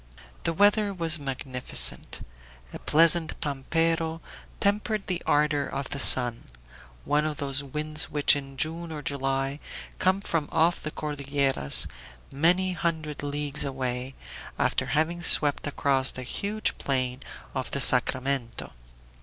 The weather was magnificent. A pleasant "pampero" tempered the ardor of the sun one of those winds which in June or July come from off the Cordilleras, many hundred leagues away, after having swept across the huge plain of the Sacramento.